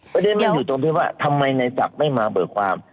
ประเด็นมันอยู่ตรงที่ว่าทำไมในศัพท์ไม่มาเบิกความ